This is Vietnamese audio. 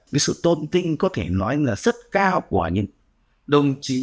cái sự tôn tinh có thể nói là sức cao của những đồng chí